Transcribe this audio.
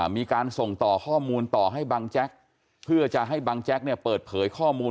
มีการส่งต่อข้อมูลต่อให้บังแจ๊กเพื่อจะให้บังแจ๊กเนี่ยเปิดเผยข้อมูล